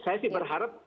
saya sih berharap